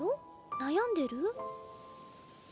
悩んでる？